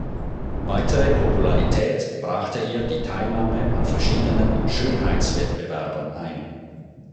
Weitere Popularität brachte ihr die Teilnahme an verschiedenen Schönheitswettbewerben ein.